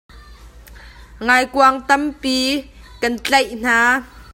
Ngaikuang tampi ka tleih hna.